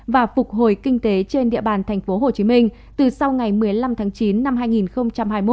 và phục hồi kinh tế trên địa bàn tp hcm từ sau ngày một mươi năm tháng chín năm hai nghìn hai mươi một